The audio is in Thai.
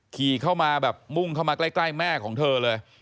ขี่เข้ามาแบบมุ่งเข้ามาใกล้แม่ของเธอเลย